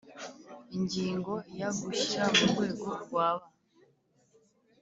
Ingingo ya gushyira mu rwego rwa ba